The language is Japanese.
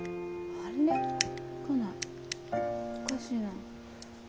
おかしいな。